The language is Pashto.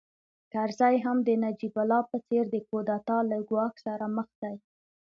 کرزی هم د نجیب الله په څېر د کودتا له ګواښ سره مخ دی